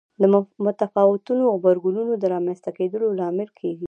د متفاوتو غبرګونونو د رامنځته کېدو لامل کېږي.